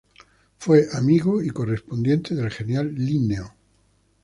Fue amigo y correspondiente del genial Linneo.